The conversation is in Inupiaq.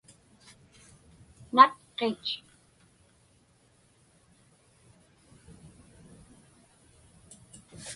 natqit